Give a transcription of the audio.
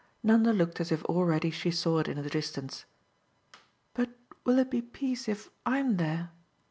Nanda looked as if already she saw it in the distance. "But will it be peace if I'm there?